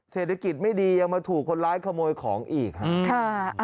เศรษฐกิจไม่ดียังมาถูกคนร้ายขโมยของอีกครับ